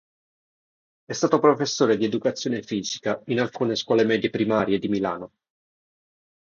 È stato professore di educazione fisica in alcune scuole medie primarie di Milano.